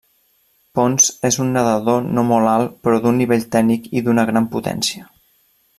Pons és un nedador no molt alt però d'un nivell tècnic i d'una gran potència.